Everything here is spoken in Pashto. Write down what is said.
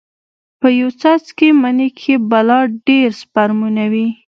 په يو څاڅکي مني کښې بلا ډېر سپرمونه وي.